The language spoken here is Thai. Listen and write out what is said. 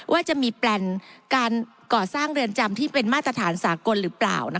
ว่าจะมีแปลนการก่อสร้างเรือนจำที่เป็นมาตรฐานสากลหรือเปล่า